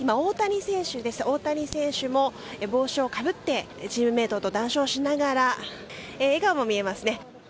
大谷選手も帽子をかぶってチームメートと談笑しながら笑顔も見えますね。